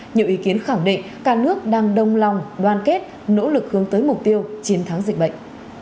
nhiều ý kiến khẳng định cả nước đang đồng lòng đoàn kết nỗ lực hướng tới mục tiêu chiến thắng dịch bệnh